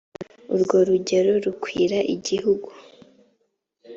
urwo rugero rukwira igihugu